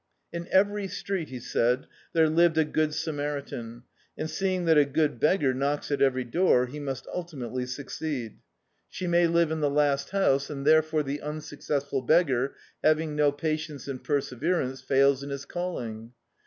In every street, be said, there lived a good Samari tan, and seeing that a good beggar knocks at every door, he must ultimately succeed. She may live in D,i.,.db, Google Manhood the last house, and therefore the unsuccessful beggar, having no patience and perseverance, fails in his calling.